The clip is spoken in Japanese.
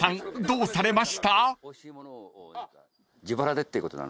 どうされました？］